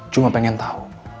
cuma pengen tau